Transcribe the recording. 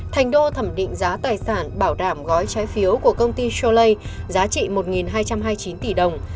thành đô thẩm định giá tài sản bảo đảm gói trái phiếu của công ty sholai giá trị một hai trăm hai mươi chín tỷ đồng